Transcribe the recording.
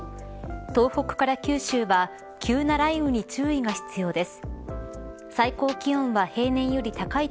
東北から九州は急な雷雨に注意が必要です。